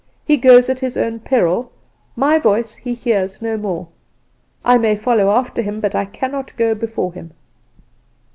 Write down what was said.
He goes at his own peril: my voice he hears no more. I may follow after him, but cannot go before him.